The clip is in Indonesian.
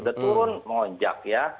sudah turun melonjak ya